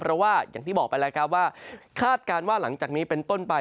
เพราะว่าอย่างที่บอกไปแล้วครับว่าคาดการณ์ว่าหลังจากนี้เป็นต้นไป